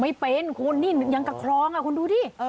ไม่เป็นคุณนี่ยังตะครองคุณดูดิ